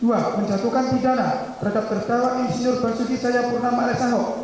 dua menjatuhkan pidana terhadap berdawa insinyur pak suti sajakunama alias ahok